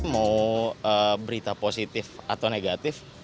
mau berita positif atau negatif